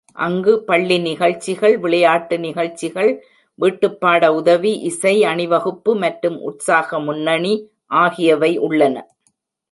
அங்கு பள்ளி நிகழ்ச்சிகள், விளையாட்டு நிகழ்ச்சிகள், வீட்டுப்பாட உதவி, இசை, அணிவகுப்பு மற்றும் உற்சாக முன்னணி ஆகியவை உள்ளன.